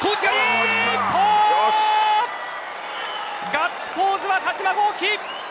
ガッツポーズは田嶋剛希。